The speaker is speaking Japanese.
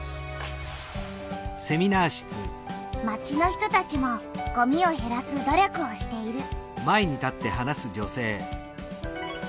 町の人たちもごみをへらす努力をしている。